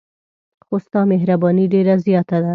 خو ستا مهرباني ډېره زیاته ده.